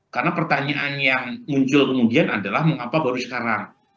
karena pertanyaan yang muncul kemudian adalah mengapa baru sekarang